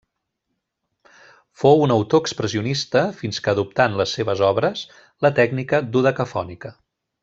Fou un autor expressionista fins que adoptà en les seves obres la tècnica dodecafònica.